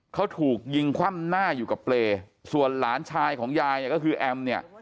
เขาถูกยิงคว่ำหน้าอยู่กับเปรย์ส่วนหลานชายของยายเนี่ยก็คือแอมเนี่ย